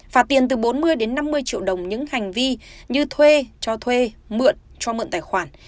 phạt tiền từ bốn mươi đến năm mươi triệu đồng những hành vi như thuê cho thuê mượn cho mượn tài khoản